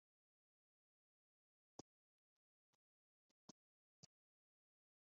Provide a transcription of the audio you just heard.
perezida atayitumije mu gihe cyagenwe inama ntiba